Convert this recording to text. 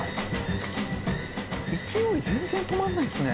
勢い全然止まんないですね。